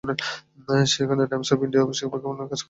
সেখানে "Times of ইন্ডিয়া"-র অফিসে বিজ্ঞাপনের কাজ করতে থাকেন।